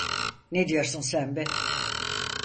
Ne diyorsun sen be?